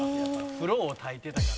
「風呂を焚いてたからね」